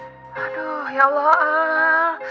aduh ya allah